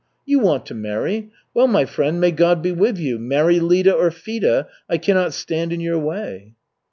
You want to marry. Well, my friend, may God be with you, marry Lida or Fida, I cannot stand in your way!"